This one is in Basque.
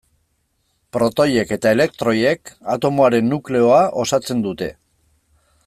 Protoiek eta elektroiek atomoaren nukleoa osatzen dute.